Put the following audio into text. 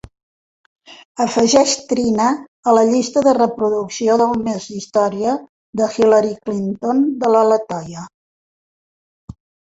Afegeix Trina a la llista de reproducció del mes d'història de Hillary Clinton de la Latoya.